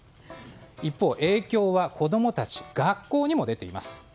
一方、影響は子供たち、学校にも出ています。